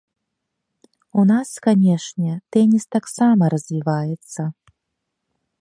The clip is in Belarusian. У нас, канешне, тэніс таксама развіваецца.